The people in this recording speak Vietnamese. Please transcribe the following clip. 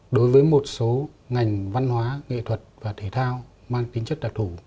đối với một số ngành văn hóa nghệ thuật và thể thao mang tính chất đặc thủ